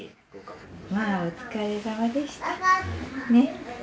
まあお疲れさまでした。